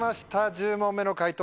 １０問目の解答